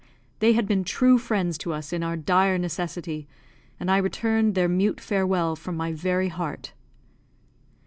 They had been true friends to us in our dire necessity, and I returned their mute farewell from my very heart.